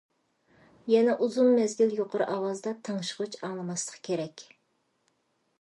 يەنە ئۇزۇن مەزگىل يۇقىرى ئاۋازدا تىڭشىغۇچ ئاڭلىماسلىق كېرەك.